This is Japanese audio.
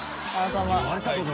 ・「言われたことない」